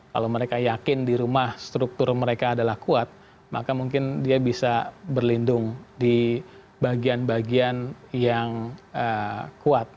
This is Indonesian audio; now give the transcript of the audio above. kalau mereka yakin di rumah struktur mereka adalah kuat maka mungkin dia bisa berlindung di bagian bagian yang kuat